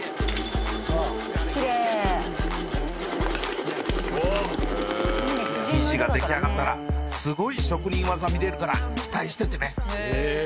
キレイ生地ができあがったらすごい職人技見れるから期待しててね・